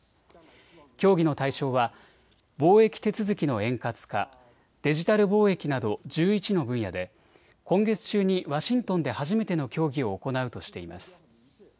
協議の対象は貿易手続きの円滑化、デジタル貿易など１１の分野で今月中にワシントンで初めての協議を行うとしています。